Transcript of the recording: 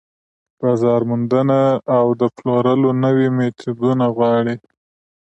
بازار موندنه او د پلورلو نوي ميتودونه غواړي.